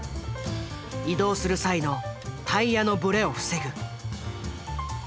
移動する際のタイヤのブレを防ぐ。